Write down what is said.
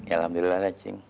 alhamdulillah ya sing